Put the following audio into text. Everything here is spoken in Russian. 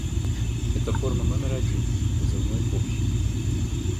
Это форма номер один позывной общий.